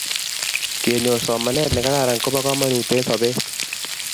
Kenyor somanet ne kararan ko po kamonut eng' sobet